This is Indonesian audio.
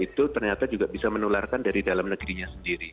itu ternyata juga bisa menularkan dari dalam negerinya sendiri